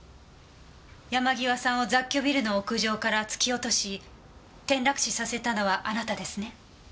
山際さんを雑居ビルの屋上から突き落とし転落死させたのはあなたですね？